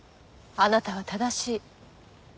あなたは正しい。